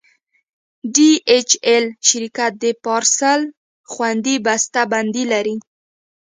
ډي ایچ ایل شرکت د پارسل خوندي بسته بندي لري.